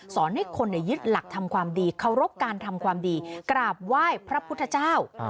ให้คนยึดหลักทำความดีเคารพการทำความดีกราบไหว้พระพุทธเจ้า